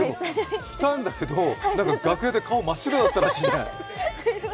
来たんだけど楽屋で顔、真っ白だったらしいじゃない？